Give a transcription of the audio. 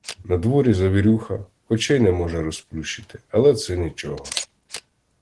Надворі завірюха, очей не може розплющити, але це нічого.